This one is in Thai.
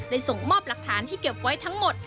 ส่งมอบหลักฐานที่เก็บไว้ทั้งหมด